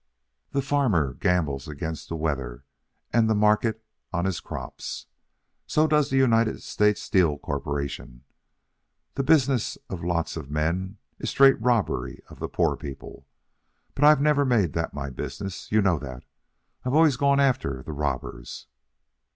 The farmer gambles against the weather and the market on his crops. So does the United States Steel Corporation. The business of lots of men is straight robbery of the poor people. But I've never made that my business. You know that. I've always gone after the robbers."